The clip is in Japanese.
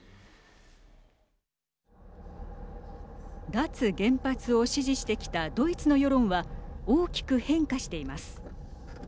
脱原発を支持してきたドイツの世論は大きく変化しています。